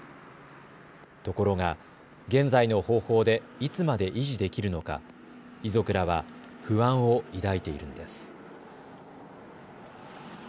ところが、現在の方法でいつまで維持できるのか遺族らは不安を抱いているのです。